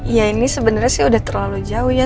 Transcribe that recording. ya ini sebenarnya sih udah terlalu jauh ya